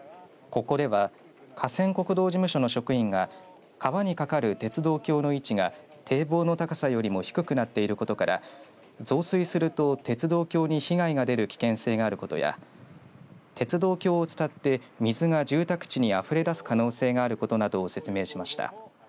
ここでは河川国道事務所の職員が川に架かる鉄道橋の位置が堤防の高さよりも低くなっていることから増水すると鉄道橋に被害が出る危険性があることや鉄道橋を伝って水が住宅地にあふれ出す可能性があることなどを説明しました。